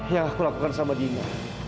yang aku lakukan sama dina